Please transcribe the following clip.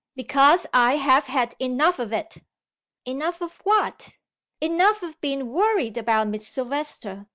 "Because I have had enough of it." "Enough of what?" "Enough of being worried about Miss Silvester.